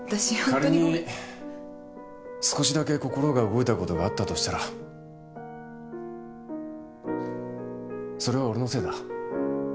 仮に少しだけ心が動いたことがあったとしたらそれは俺のせいだ。